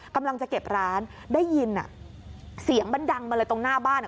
กำลังจะเก็บร้านได้ยินเสียงมันดังมาเลยตรงหน้าบ้าน